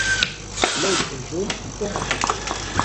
L’œil est jaune ou orangé.